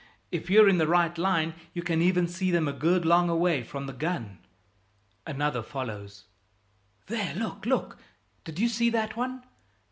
If you're in the right line, you can even see them a good long away from the gun." Another follows: "There! Look, look! Did you see that one?